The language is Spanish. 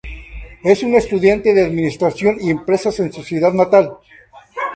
Es una estudiante de Administración y Empresas en su ciudad natal.